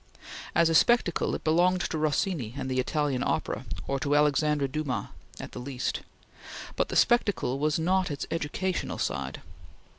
As a spectacle, it belonged to Rossini and the Italian opera, or to Alexandre Dumas at the least, but the spectacle was not its educational side.